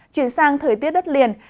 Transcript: chuyển sang thời tiết đất liền